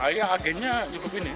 iya agennya cukup ini